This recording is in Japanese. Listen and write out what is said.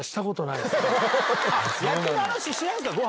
野球の話しないんすか？